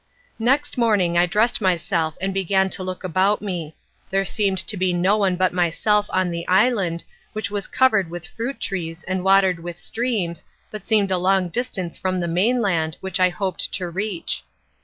Next morning I dressed myself and began to look about me. There seemed to be no one but myself on the island, which was covered with fruit trees and watered with streams, but seemed a long distance from the mainland which I hoped to reach.